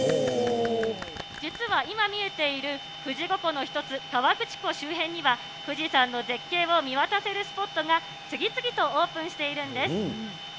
実は今見えている富士五湖の一つ、河口湖周辺には、富士山の絶景を見渡せるスポットが次々とオープンしているんです。